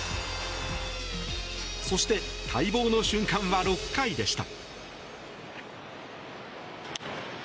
そして待望の瞬間は６回でした。